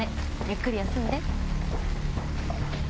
ゆっくり休んで。